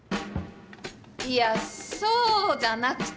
いやそうじゃなくて。